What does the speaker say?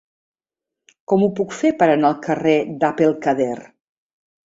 Com ho puc fer per anar al carrer d'Abd el-Kader?